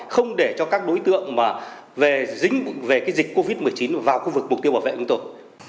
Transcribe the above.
không để cho các đối tượng mà về dính về dịch covid một mươi chín vào khu vực mục tiêu bảo vệ của tôi